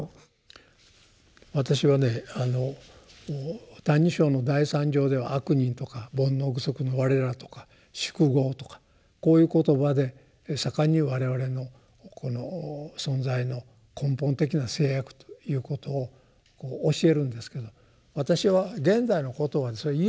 私はね「歎異抄」の第三条では「悪人」とか「煩悩具足」のわれらとか「宿業」とかこういう言葉で盛んに我々のこの存在の根本的な制約ということを教えるんですけど私は現在の言葉でそれ言えると思うんですね。